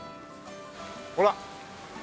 ほら！